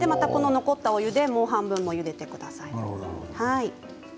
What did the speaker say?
残ったお湯であと半分もゆでてください。